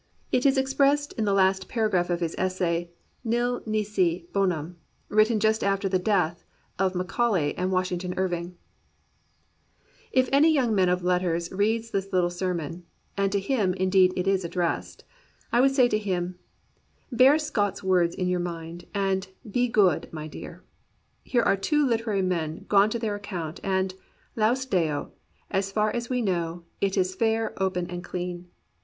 It 127 COMPANIONABLE BOOKS is expressed in the last paragraph of his essay '^Nil Nisi Bonum,^* written just after the death of Ma caulay and Washington Irving: " If any young man of letters reads this little sermon — and to him, indeed, it is addressed — I would say to him, 'Bear Scott's words in your mind, and be good, my dear.* Here are two literary men gone to their account, and, laus Deo, as far as we know, it is fair, and open, and clean.